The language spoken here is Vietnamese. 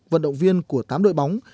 vận động viên của tám đội bóng